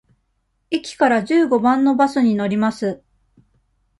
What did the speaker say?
駅から十五番のバスに乗ります。